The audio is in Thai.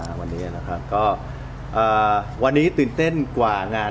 ครั้งแรกค่อยแปลว่าเป็นการท้าย